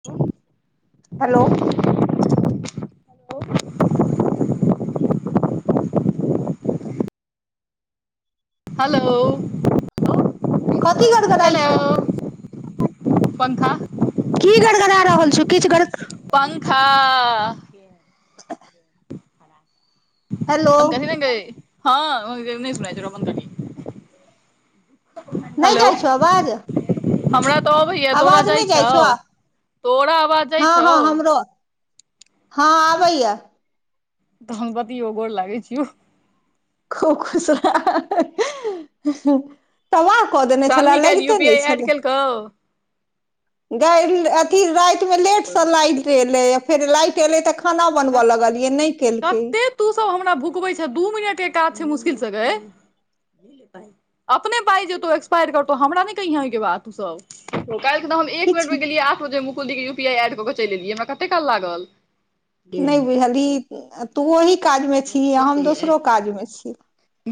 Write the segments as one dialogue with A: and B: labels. A: [inaudible]
B: Hello
A: [inaudible] hello
B: कथी गड़ गड़ाइ
A: हेलो
B: छौ
A: पंखा
B: की गड़गड़ा रहल छौ किछ गड़
A: पंखा
B: [inaudible] हेलो
A: बंद करही ने गे [unintelligible] हँ नहि सुनाय दै छै रहे बंद करही
B: नहि
A: हेलो
B: जाइ छौ आवाज
A: हमरा तऽ अबैया तोरा जाइ छौ तोरा आवाज जाइ
B: हँ
A: छौ
B: हँ हमरो हँ आबैए
A: तहन बतियो गोर लागै छीयौ
B: खूब खुश रह तबाह कऽ देने छले
A: शालनी काल्हि यू
B: लगिते
A: पी
B: नहि
A: आई एड
B: छलै
A: केलकौ
B: गै अथी रातिमे लेटसँ लाइट एलैए फेर लाइट एलै तऽ खाना बनबऽ लगलियै नहि केलकै
A: कते तू सब हमरा भुकबै छें दू मिनट के काज छै मुश्किल सँ गै अपने पाय जेतौ एक्सपायर करतौ हमरा नहि कहिये ओहिके बात तू सब तऽ काल्हि तऽ हम एक
B: किछु
A: मिनटमे गेलियै आठ बजे मुकुल दी के यू पी आई एड कऽ क चलि एलियै हमरा कते काल लागल डेढ़
B: नहि
A: मिनट
B: बुझलही तू ओहि काजमे छीही आ हम दोसरो काजमे छी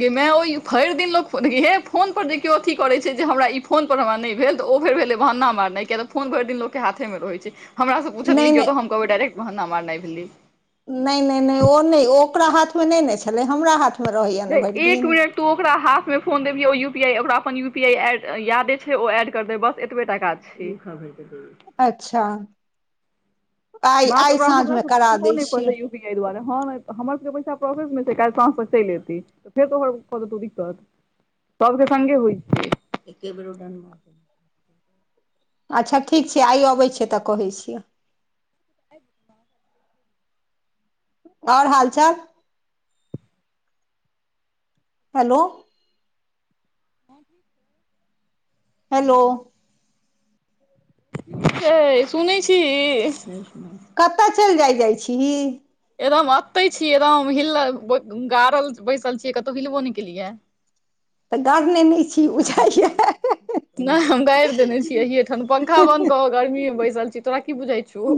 A: गै मे ओ भैर दिन लोक देखही हे फोन पर देखियो अथी करे छै जे हमरा ई फोन पर हमरा नहि भेल तऽ ओ फेर भेलै बहाना मारनाई किया तऽ फोन भरि दिन लोक के हाथ मे रहै छै हमरासँ
B: नहि
A: पूछलियै
B: नहि
A: कि, तऽ हम कहब डायट बहनना मार नहि भेलै।
B: नहि, नहि, नहि ओ नहि, ओकरा हाथमे नहि ने छलै, हमरा हाथ
A: एक मिनट। तू ओकरा हाथमे फोन देलियै, ओ यू पी आई ओकरा अपन U P I I D यादे छै, ओ एड कऽ देत, बस एतबे टा काज छै। ठीक ह भैत
B: अच्छा आइ आइ साँझमे करा दै छियै।
A: एहि दुआरे हँ हमर सभके पैसा प्रोसस मे छै। काल्ह साँझ तक चैल एते के तोहर खोज दौ दिक्कत सभके स्गे होइ छै। एके बेर। देलक
B: अच्छा ठीक छै। आइ अबैत छियै तऽ कहैत छियै
A: [inaudible]
B: ओर हाल चाल? हेलो
A: ब छै।
B: हेलो
A: गै सुनै छी ही?
B: कतय चलि जाइ जाइ छी?
A: एकदम एते छियै एकदम हिल गाड़ल बैसल छियै। कतहुं हिलबो नै केलियै
B: तऽ गढ़ने नहि। छी
A: अपन सा [unintelligible] बत
B: बुझाइया
A: बदल नहि, हम गारि देने छीये। एतऽ पंखा बन्द कऽके गर्मीमे बैसल छी, तोरा की बुझाइ? छौ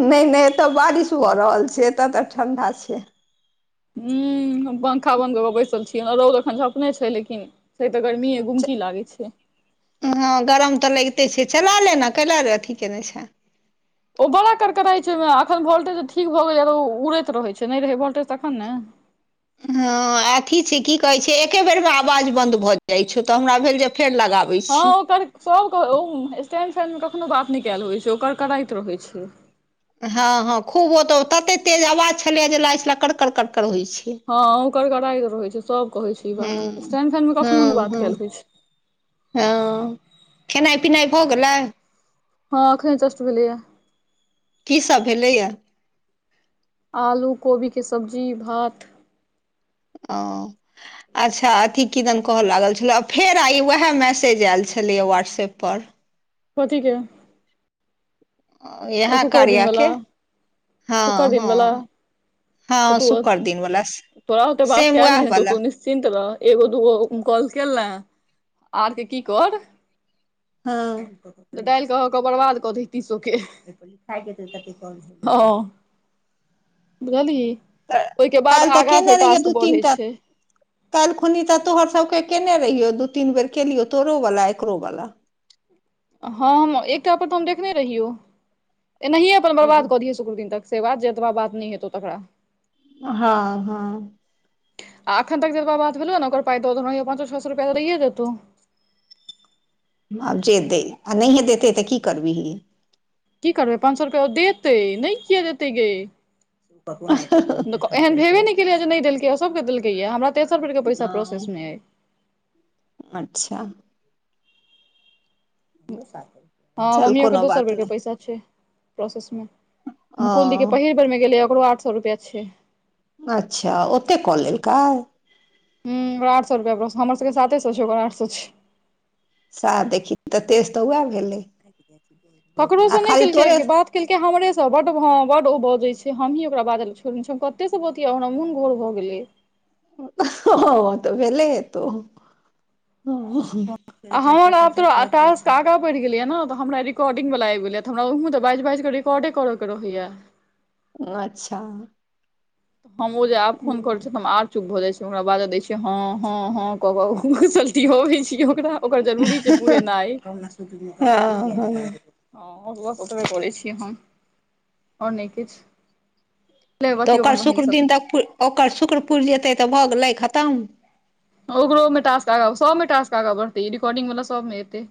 B: नहि नहि, एतऽ बारिश भऽ रहल छै। एत्तऽ तऽ ठंडा छै।
A: ह्म हम पंखा बन्द कऽ कऽ बैसल छीयै रौद एखन झ अपने छै। लेकिन छै तऽ गर्मीये गुमकी लागै छै।
B: हँ गरम तऽ लगिते छै। चला ले ने कैला रे अथी केयने छै।
A: ओ बड़ा करकराइ छै, ओहिमे एखन वोल्टेज ठीक भऽ गेलैया तऽ ओ उड़ैत रहै छै, नहि रहै वोल्टेज तखन ने।
B: हँ, अथी छै की कहै छै, एके बेरमे आवाज बन्द भऽ जाइ छै तऽ हमरा भेल जे फेर लगाब।
A: हँ, ओकरसभ ओ स्टैंडसनमे कखनो बात नहि कयल होइ छै, ओकर कराइत रहै छिये।
B: हँ हँ, खूब ओ तऽ तते तेज आवाज छलै जे कऽ छल, कड़कड़ कड़कड़ होइत छै।
A: हँ, ओकर गड़गड़ाइत रहैत छै सभ। कहैत छै, ई
B: हँ
A: बात स्टैंड फैनमे कखनो नहि
B: हँ
A: बात
B: हँ
A: कयल होइत छै।
B: हँ, खेनाइ पिनाइ भऽ गेलै।
A: हँ, आखने जूस्ट भऽ लैए।
B: की सभ भेलैए
A: आलू कोबीके सब्जी भात।
B: ओ अच्छा अथी किदन कहय लागल छलै। आ फेर आ ई उएह मैसेज आयल छलै व्हाट्सऐप पर।
A: कथी के ओ
B: इएह
A: शुक्र दिन
B: कार्यके
A: वला
B: हँ
A: शुक्र दिन वला
B: हँ।
A: तऽ
B: हँ,
A: तू
B: शक्कर दिनवला सेम वएह वा।
A: चिन्त रह, एगो दूगो कॉल केल ने, आरके की कर?
B: हँ
A: तऽ डालि कऽ अहाँके बर्बाद कऽ दी, तेसोके। ह बुझली? ओहिके बाद
B: काल्हि तऽ
A: आगा फेर
B: केने रहियै
A: टास्क
B: दू तीन
A: बढ़ै
B: टा
A: छै।
B: काल्हि खुनी तऽ तोहर सभकेँ कयने रहियौ दू तीन बेर केलियौ तोहरोवला, एकरोवला।
A: हँ एकटा पर तऽ हम देखने रहियौ एनाहिए अपन बर्बाद कऽ दिय। शुक्रदिन तक सेवा जेतबा बात नहि हेतौ तकरा।
B: हँ हँ
A: आ अखन तक जे ओहिपर बात भेलौं हँ, ओकर पाय दऽ हँ, पाँचो छौ सय रुपैया तऽ दैए देतौ।
B: आब जे दे आ नहिए देतै तऽ की करबी?
A: की करबै, पाँच सय रुपया ओ देतै नहि, किया देतै गे? एहन भेबे ने केलऽ जे नहि देलकै आ सभके देलक, या हमरा तेसर राउण्डके पैसा
B: हँ
A: प्रोसेसमे अय।
B: अच्छा
A: ह
B: चल
A: मम्मियो के
B: कोनो
A: दोसर
B: बात
A: बेर के
B: नहि
A: पैसा छै प्रोसेस मे मुकुल दी के
B: ओ
A: पहिल बेरमे गेलैया ओकरो आठ सौ रुपैया छै
B: अच्छा ओतेक कऽ लेलकै
A: हं ओकरा आठ सौ रुपया हमर सबके साते सौ छै ओकरा आठ सौ छै
B: सह देखी तऽ तेज तऽ उएह भेलै
A: करड़ो
B: आ
A: से नहि
B: खाली तोरे
A: केलकै बात केलकै हमरे से बड ह बड ओ बजै छै हमी ओकरा बाजल छोड़ने छ छी हम कते से बतियै हमरा मोन घोर भऽ गेलै
B: ओ तऽ भेलले हेतौ
A: [unintelligible] आ हमर आब तोरा आ तश आगाँ बढ़ि गेलिये ने तऽ हमरा रिकॉर्डिंग वला आबि गेलिय तऽ हमरा तऽ बास बाइस के रेकेदे करै के रहइया
B: अच्छा
A: हम ओ जे आब फोन करै छ तऽ हम आर चुप भ जाइ छै ओकरा बाजे दै छियै हँ हँ हँ क के गुसलती होबै छिय ओकरा ओकर जरूरी छै पुरेनाइ ओकरे
B: हँ हँ
A: करै छिय हम हँ नहि किछ
B: तऽ ओकर शुक्र दिन तक प ओकर शुक्र पुरि जेतै तऽ भऽ गेलै खतम
A: ओकरोमे टॉक्स आ सभ टॉक्स आगाँ बढ़तै रिकॉर्डिंग वला सब मे एतै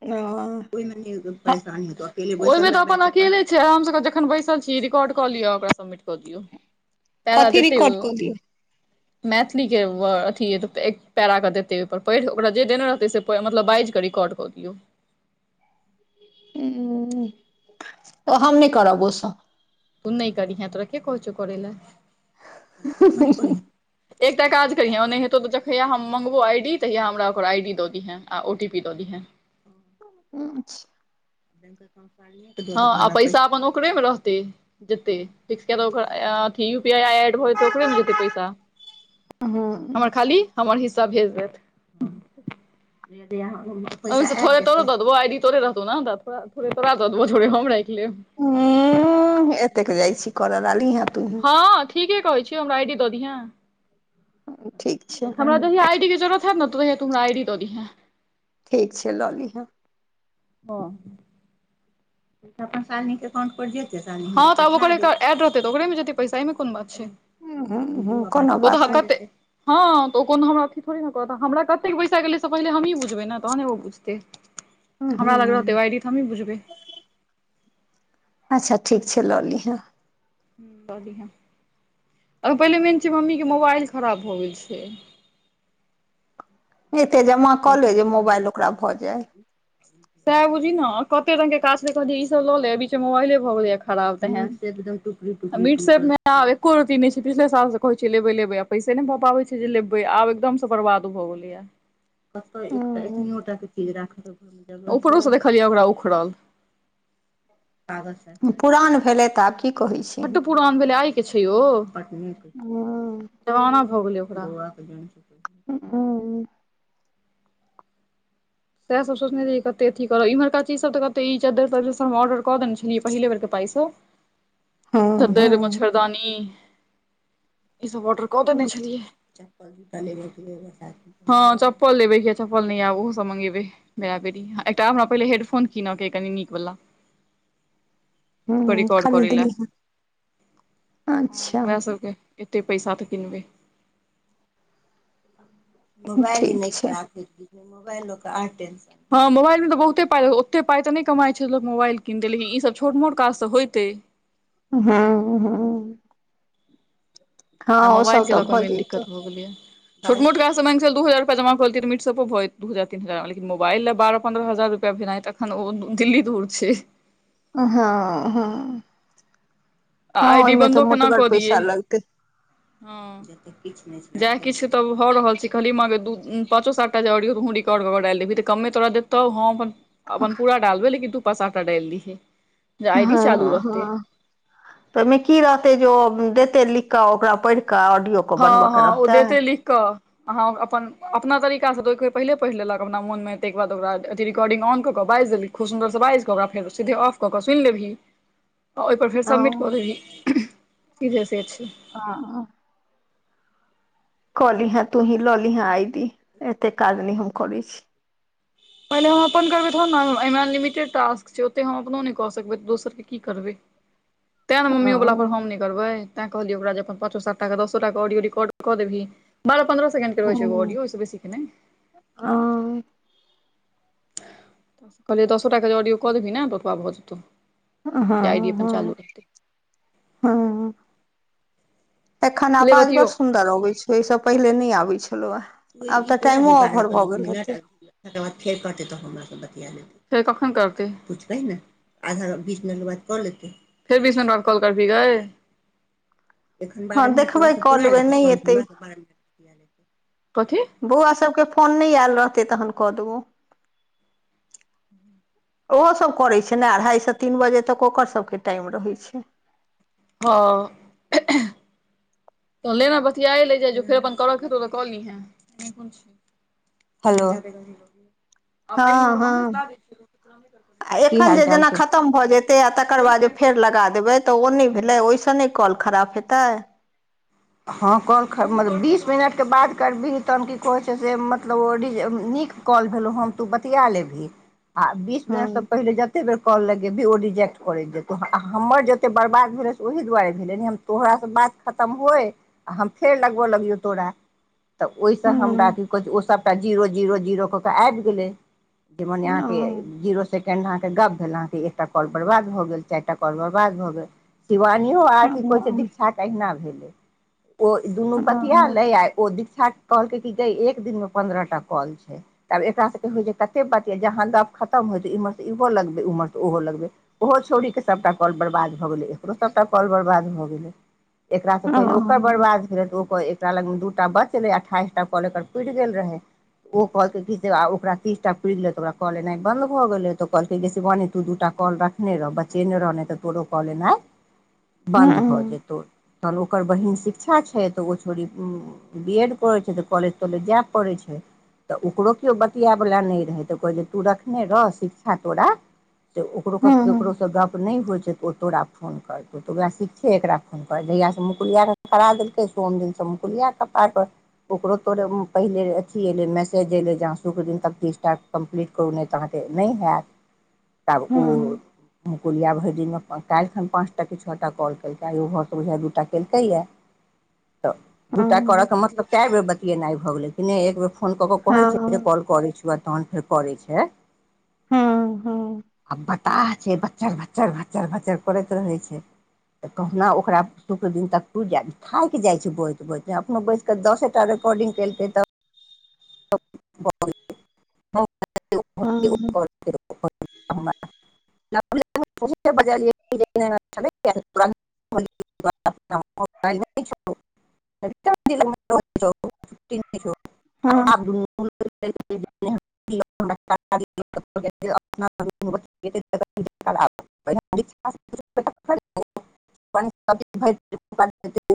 B: ओ
A: ओहि तऽ अपन अकेले छै हम सब जखन बैसल छी रिकॉर्ड कऽ लिअ ओकरा सब कऽ दियौ पैरा
B: कथी
A: देतै ओ
B: रिकॉर्ड कऽ दियौ
A: मैथिली के वर्ड अथी एक पैरा क देतै ओहि पर पढ़ि ओकरा जे देने रहतै से पढ़ि मतलब बाइज कऽ रिकॉर्ड कऽ दियौ
B: हुँ हम नहि करब ओसभ
A: तू नहि करिहां तोरा के कहै छो करै लय एकटा काज करिहैं ओ नै हेतो त देखहिया हम मंगबौ आईडी तहिया हमरा ओकर आईडी द दीहैं आ ओ टी पी द दिहां
B: [inaudible]
A: हं आ पैसा अपन ओकरे मे रहतै जेतै फिक्स कै दौ ओकर आई अं अथि युपीआई आई एड भऽ जेतै ओकरे मे जेतै पैसा
B: हँ
A: हमर खाली हमर हिस्सा भेज देत ओहिम से थोड़े तोरो द देबौ आइ डी तोरे रहतौ न दै त थोड़े तोरा द देबौ थोेड़े हम रखि लेब
B: हुँ एतेक जाइ छी करऽला ली इहाँ तूहिं
A: हाँ ठीके कहै छियोउ हमरा आई डी द दिहां
B: ठीक छै
A: जेहिया आईडी के जरुरत है ने तहिया तुम हमरा आईडी द दिहां
B: ठीक छै लऽ लिहँ
A: हँ अपन अकाउंट पर जेतेय हँ तऽ ओकरड रहतै तऽ ओकरेमे जेतै पैसा एहिमे कोन बात छै
B: हूँ हूँ कोनो
A: ओत ह
B: बात नहि
A: कते हँ तऽ ओ कोनो हमरा अथ थोड़ी ने करत हमरा कतेक बैसा गेलै से पहिले हमही बुझबै ने तहने ओ बुझतै
B: [inaudible]
A: हमरा लग रहतै
B: हूँ
A: ओ आई डी त हमी बुझबे
B: अच्छा ठीक छै लऽ लिह
A: ह्म बढ़िया अ पहिले मेन छिय मम्मी के मोबाइल खराब भऽ गेल छै
B: एते जमा
A: [inaudible]
B: कऽ ले जे मोबाइल ओकरा भऽ जाय
A: तें बुझहिं ने कते रंगग के काज देखलिय ईसभ ले बीचे मोबाइले भ गेलै या खराब तेहन मिट सेफ आब एको रती नहि छै पीछले साल से कहै छिय लेबे लेबे पैसे नहि भऽ पाबै छै जे लेबे आब एकदम से बर्बाद भऽ गेलैया
B: हूँ
A: उपरो सँ देखलियै ओकरा उखड़ल आब
B: पुरान भेलै तऽ आब की कहैत
A: बड्ड
B: छिही
A: पुरान भेलै आइ के छै ओ
B: हूंम्म
A: जवाना भऽ गेलै ओकरा
B: हूंम्म
A: सएह सब सोचनेय कते अथी कर इम्हरका चीजसभ तऽ कतेक ई चद्दरि तद्र सब हम ऑडर कऽ देने छलियै पहिले बेर के पाइ से
B: [inaudible] हूँ
A: तद्दरि
B: हूँ
A: मच्छरदानी ईसभ ऑर्डर कऽ देने छलियै हँ चप्पल लेबैके चप्पल नहि ये आब ओ सब मंगेबै बेरा-बेरी एकटा हमरा पहिले हेडफोन कीनऽ के अय कनी नीक वाला एकरा
B: हूँ
A: रिकार्ड करै
B: खरीद
A: ले
B: लीहे
A: हँ
B: अच्छा
A: इएह सबके एतै पैसा तऽ किनबै मोबाइल जे
B: ठीक
A: नहि
B: छै
A: खराब होइतितै मोबाइल लऽ कऽ आर टेन्सन हाँ मोबाइल मे तऽ बहुते पाई ओते पाई तऽ कमाइ छै लोक मोबाइल किनतै लेकिन ई सभ छोट मोट काज तऽ होइतै
B: हुंम्म हुंम्म
A: आ मोबाइल
B: सब
A: के
B: तऽ
A: लऽ कऽ
B: भऽ
A: मेन
B: जैतौ
A: दिक्कत भऽ गेलैए छोट मोटा काज तऽ मानि कऽ चल दू हजार रुपया जमा कऽ लतीयै तऽ [unintelligible] दू हजार तीन हजार बाला लेकिन मोबाइलए बारह पन्द्रह हजार रूपैया भेनाइ तऽ हखन ओ दिल्ली दुर छै
B: हाँ हाँ
A: आ
B: हाँ
A: आई
B: ओहि
A: डी
B: मे तऽ
A: बन्दो केना
B: मोटगर
A: कऽ दियै
B: पैसा लगतै
A: हँ जेते किछ नै जेह किछ तऽ भऽ रहल छै कहलीयै माँ गै दू पाँच साँतटा जे रिकॉर्ड कऽ कऽ जे डालि देबही तऽ कमे तोरा देतौ तब हम अपन अपन पूरा डालबे लेकिन तू पाँच सातटा डालि दीहे जे
B: हँ
A: आइ डी चालू रहतै
B: हँ तऽ ओहि मे की रहतै जे ओ देतै लिख कऽ जे ओकरा पढ़ि कऽ ऑडियो के बनबऽ
A: हँ
B: के
A: हँ ओ
B: रहतै
A: देतय लिख कऽ अहाँ अपन अपना तरीका सँ देखबै ओ पहिले पहिले पढ़ि लेलक अप मोन मे ताहि बाद ओरा अथी रिकॉर्डिंग ऑन कऽ कऽ बाजि देलक खूब सुन्दर सँ बाजिकऽ ओकरा फेर से सीधे ऑफ कऽ कऽ सुनि लेबहि
B: [inaudible]
A: आ ओहि पर फेर
B: ओ
A: सबमिट कऽ देबही सीधे से छै
B: ओ कलीहें तू ही लऽ लीहें आई डी एते काज नहि हम करै छी
A: पहिले हम अपन करबै तहन नऽ एहिमे अनलिमिटेड टास्क छै ओतेक हम अपनो नहि कऽ सकबै तऽ दोसर के की करबै
B: [inaudible]
A: तैं ने मम्मीओ वला पर
B: हूँ
A: हम नहि करबै तैं कहलियै ओकरा जे अपन पाँचो सात टा कऽ दसो टा कऽ ऑडियो रिकॉर्ड कऽ देबही बारह पन्द्रह सेकेंडके रहै छै एगो ऑडियो ओइसँ बेसी के नहि
B: ओ
A: कहलियै दसोटा कऽ जे ऑडियो कऽ देबही ने तऽ ओतआ भऽ जेतौ
B: हँ
A: जे आइ डी अपन
B: हँ
A: चालू रहतै
B: हँ एखन
A: ले
B: आवाज बड़
A: बतियौ
B: सुंन्दर अबै छै ओहि सँ पहिले नहि आबै छलौ हे आब
A: ई
B: तऽ
A: पूरा
B: टाइमो ओवर
A: बारह
B: भऽ गेल
A: मिनट
B: हेतै
A: तकर बाद फेर करतै तऽ हमर सब बतिया तिया लेतैय फेर कखन करतै पुछबै ने आधा बीस मिनट के बाद कऽ लेतै फेर बीस मिनट बाद कॉल करबीही गै
B: [inaudible]
A: एखन बारह मिनट तोरा
B: देखबै
A: सँ
B: कऽ
A: पुरा
B: लेबै
A: लेतौ
B: नहि
A: तहन
B: एतै
A: हमरा सँ बारह मिनट बतिया लेतै कथी
B: बौआ सब के फोन नहि आयल रहतै तहन कऽ देबौ ओहो सभ करैत छै ने अढ़ाईसँ तीन बजे तक ओकर सभके टाइम रहैत छै
A: हँ तऽ ले नऽ बतियाए लै जाइ जो फेर अपन करऽ तऽ करि लेहन। हेलो
B: हँ हँ आ
A: की
B: एखन
A: हाल
B: जे
A: चाल
B: जेना
A: छै
B: खतम भऽ जेतै आ तकर
A: ओइ
B: बाद?
A: साइड के
B: फेर
A: बतियौ
B: लगा देबै तऽ ओ नहि भेलै ओहिसँ नहि कल खराब हेतै?
A: हाँ, कॉल मतलब बीस मिनटके बाद करबै, तहन की कहै छै से मतलब ओहि जे नीक। कॉल भेलो, हम तऽ बतिया लेली बीस मिनेटसँ
B: हँ
A: पहिले। कते बेर लगेबै भी, ओ रिजेक्ट करैत जेतहु, आ हमर जते बर्बाद भेलै से ओहि दुआरे भेलै ने हम। तोरासँ बात खतम होए। आ हम फेर लगबऽ लगियौ तोरा तऽ ओहि सँ हमरा
B: हँ
A: औ, सभकेँ जीरो जीरो कऽ कऽ आबि गेलै, मने
B: ओ
A: अहाँकेँ जीरो। अहाँके गप्प भेल, अहाँके एकटा कॉल बर्बाद भऽ गेल, चारि टा कॉल बर्बाद भऽ गेल। शिवानियो आओर
B: ओ
A: की
B: ओ
A: कोइ छै, दीक्षा आहिना भेलै? ओ दुनू
B: हँ
A: बतिया
B: हँ
A: लेल आ ओ दीक्षा कहल के की जे एक दिनमे पन्द्रहटा कॉल छै। तऽ आब एकरा सभके होइ छै, कते बतियाँ दऽप खतम होइ छै, इम्हर तऽ इहो लगबै, उम्हर तऽ ओहो लगबै। ओहो छौड़ीके सभटा कॉल बर्बाद भऽ गेलै, एकरो सभटा कॉल बर्बाद भऽ गेलै। एकरा से
B: हँ
A: पहिले भेल, ओकरा लगमे दूटा बचलै, अठाइशटा कॉल पूरा गेल रहै। ओ कहलकै की से ओकरा तीसटा पूरा गेलै तऽ ओकरा कहलै, नहि, बन्द भऽ गेलै। तऽ कहलकै गे, सिवानी, तू दूटा कॉल रखने रहौ, बचे ने रहने तऽ तोरो कऽले नहि है।
B: [inaudible]
A: बन्द भऽ जेतहु तहन ओकर बहिन। शिक्षा छै। तऽ ओ छोड़ी बी एड करै छै। तऽ कॉलेज तॉलेज जाय पड़ैत छै। तऽ ओकरो केओ बतिआवला नहि रहै तऽ कहैत छै तू रखने रह शिक्षा तोरा। त ओकरो केकरो से गप नहि होइ छै। ओ तोरा फोन करतो तऽ ओहा शिक्षा एकरा फोन करते मुकुलवा रह। करा देलकै सोन दिनसँ कुलिया कप्पा पर। ओकरो तोरे पहिले अथी अयलै, मैसेज अयलै, अहाँ शुक्र दिन तक कि स्टार्ट। कम्प्लीट करू, नहि तऽ अहाँकेँ नहि हैत।
B: [inaudible]
A: आब ओ मुकुलिया भरि दिनमे काल्हिखन पाँचटा कि छओटा कॉल केलकै, आइओ घरसँ बुझा दूटा केलकैया। तऽ दूटा करऽके मतलब कए बेर बतियेनाइ भऽ गेलै कि नहि, एक बेर? फोन कऽ कऽ कहै छै। जे
B: हँ
A: कॉल करछी त
B: हँ
A: आ बताह छै। भच्चर भच्चर भच्चर भच्चर करैत रहै छै। तऽ कहुना ओकरा शुक्रदिन दिन तक। थाकि जाइ छै, बुझाइत बुझाइतमे अपनो बैसकेँ दसटा रेकॉर्डिंग केलते तऽ। गेल [unintelligible]
B: [inaudible]
A: ब [unintelligible] [unintelligible]
B: हा
A: आ [unintelligible] [unintelligible] [unintelligible]